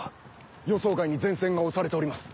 予想外に前線が押されております。